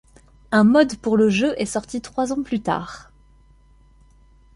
Un mod pour le jeu est sorti trois ans plus tard.